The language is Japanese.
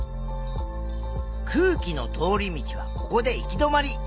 空気の通り道はここで行き止まり。